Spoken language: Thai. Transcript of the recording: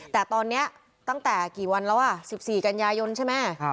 แต่ตอนนี้ตั้งแต่กี่วันแล้ว๑๔กันยายนใช่ไหม